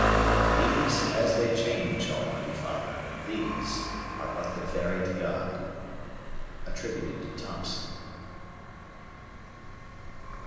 These, as they change, Almighty Father, these, Are but the varied God. THOMSON.